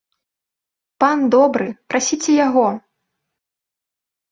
Пан добры, прасіце яго!